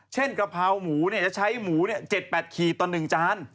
เช่นกะเพราหมูจะใช้หมู๗๘ขีดตัวหนึ่งจาน